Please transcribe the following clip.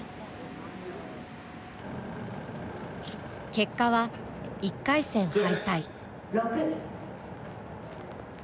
結果は、１回戦敗退。